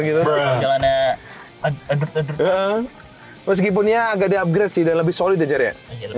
jalan yang agak adet adet meskipun dia upgrade dan lebih solid aja ya